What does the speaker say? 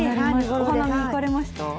お花見に行かれました？